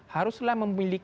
haruslah memiliki signifikan